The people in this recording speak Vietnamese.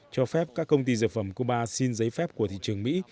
cho phép các công ty dược phẩm cuba xin giấy phép của thị trường mỹ